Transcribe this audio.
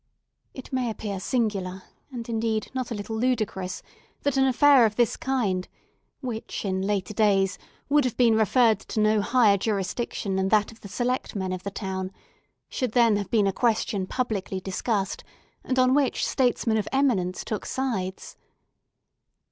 It may appear singular, and, indeed, not a little ludicrous, that an affair of this kind, which in later days would have been referred to no higher jurisdiction than that of the select men of the town, should then have been a question publicly discussed, and on which statesmen of eminence took sides.